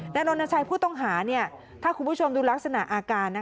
รณชัยผู้ต้องหาถ้าคุณผู้ชมดูลักษณะอาการ